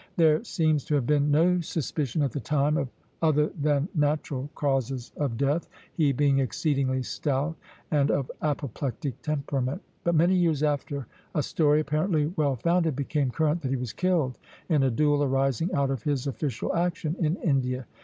There seems to have been no suspicion at the time of other than natural causes of death, he being exceedingly stout and of apoplectic temperament; but many years after a story, apparently well founded, became current that he was killed in a duel arising out of his official action in India.